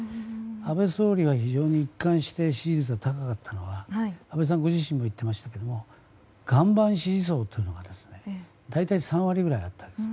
安倍総理が非常に一貫して支持率が高かったのは安倍さんご自身も言ってましたが岩盤支持層というのが大体３割ぐらいあったんです。